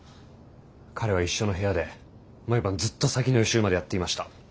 彼は一緒の部屋で毎晩ずっと先の予習までやっていました。